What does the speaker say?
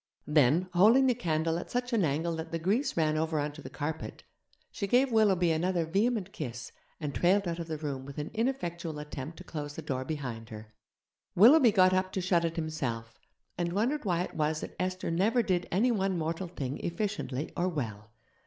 Then, holding the candle at such an angle that the grease ran over on to the carpet, she gave Willoughby another vehement kiss and trailed out of the room with an ineffectual attempt to close the door behind her. Willoughby got up to shut it himself, and wondered why it was that Esther never did any one mortal thing efficiently or well.